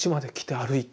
歩いて。